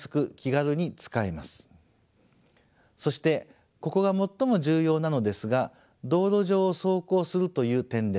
そしてここが最も重要なのですが道路上を走行するという点です。